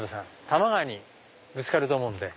多摩川にぶつかると思うんで。